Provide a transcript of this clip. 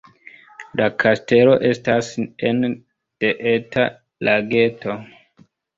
La kastelo estas ene de eta lageto.